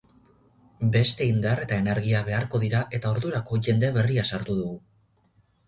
Beste indar eta energia beharko dira eta ordurako jende berria sartu dugu.